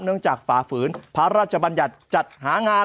จากฝ่าฝืนพระราชบัญญัติจัดหางาน